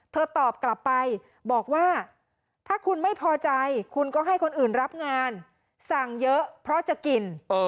ตอบกลับไปบอกว่าถ้าคุณไม่พอใจคุณก็ให้คนอื่นรับงานสั่งเยอะเพราะจะกิน